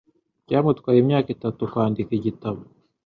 Byamutwaye imyaka itatu kwandika igitabo.